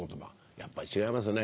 やっぱり違いますね